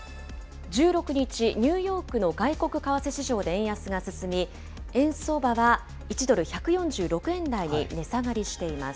１６日、ニューヨークの外国為替市場で円安が進み、円相場は１ドル１４６円台に値下がりしています。